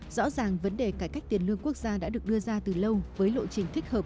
rõ ràng vấn đề cải cách tiền lương quốc gia đã được đưa ra từ lâu với lộ trình thích hợp